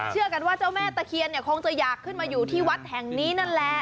เชื่อกันว่าเจ้าแม่ตะเคียนเนี่ยคงจะอยากขึ้นมาอยู่ที่วัดแห่งนี้นั่นแหละ